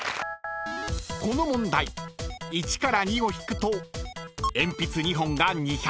［この問題１から２を引くと鉛筆２本が２００円］